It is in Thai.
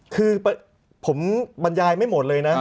คือผมบรรยายไม่หมดเลยนะ